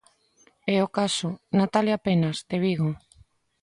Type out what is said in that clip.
E o caso, Natalia Penas, de Vigo.